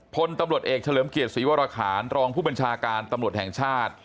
พลตำรวจเอกเฉลิมเกียรติศรีวรคารรองผู้บัญชาการตำรวจแห่งชาติ